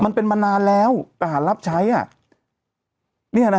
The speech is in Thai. มันเป็นมานานแล้วอาหารรับใช้